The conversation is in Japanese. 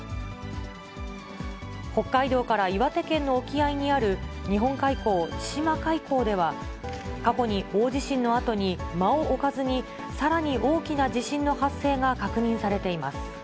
北海道から岩手県の沖合にある日本海溝、千島海溝では、過去に大地震のあとに間を置かずに、さらに大きな地震の発生が確認されています。